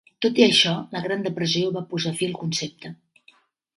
Tot i això, la Gran Depressió va posar fi al concepte.